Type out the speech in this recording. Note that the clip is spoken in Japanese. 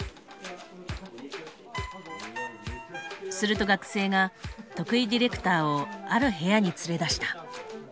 すると学生が徳井ディレクターをある部屋に連れ出した。